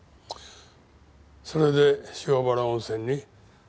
それで塩原温泉に？